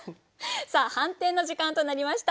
さあ判定の時間となりました。